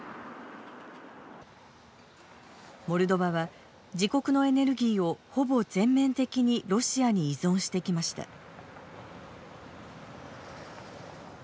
モルドバは自国のエネルギーをほぼ全面的にロシアに依存してきました。